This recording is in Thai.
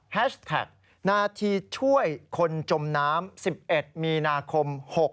แท็กนาทีช่วยคนจมน้ำ๑๑มีนาคม๖๖